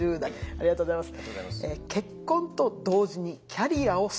ありがとうございます。